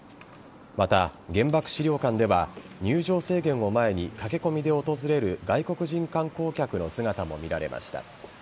また、原爆資料館では入場制限を前に駆け込みで訪れる外国人観光客の姿も見られました。